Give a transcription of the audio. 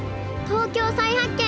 「＃東京再発見」。